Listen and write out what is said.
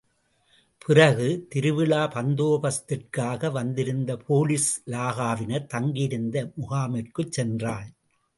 பிறகு, திருவிழா பந்தோபஸ்திற்காக வந்திருந்த போலீஸ் இலாகாவினர் தங்கியிருந்த முகாமிற்குச் சென்றாள்.